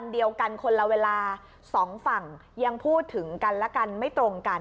เดียวกันคนละเวลาสองฝั่งยังพูดถึงกันและกันไม่ตรงกัน